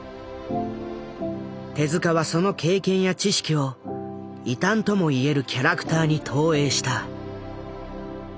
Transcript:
手はその経験や知識を異端ともいえるキャラクターに投影した。